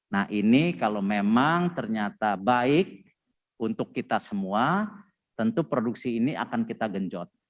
nah ini kalau memang ternyata baik untuk kita semua tentu produksi ini akan kita genjot